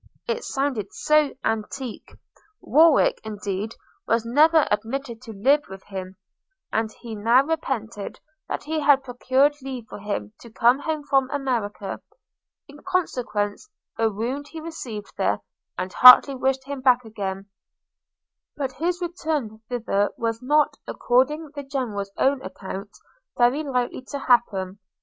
it sounded so antique. Warwick, indeed, was never admitted to live with him; and he now repented that he had procured leave for him to come home from America, in consequence of a wound he received there, and heartily wished him back again; but his return thither was not, according the General's own account, very likely to happen.